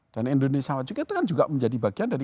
dan indonesia wajib itu kan juga menjadi bagian dari